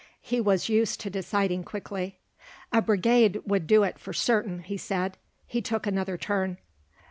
He was used to deciding quickly. "A brigade would do it for certain," he said. He took another turn.